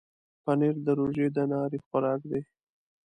پنېر د روژې د ناري خوراک دی.